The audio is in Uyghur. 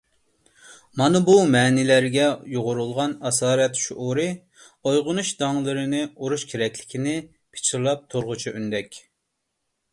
مانا بۇ مەنىلەرگە يۇغۇرۇلغان «ئاسارەت» شۇئۇرى ئويغىنىش داڭلىرىنى ئۇرۇش كېرەكلىكىنى پىچىرلاپ تۇرغۇچى ئۈندەك.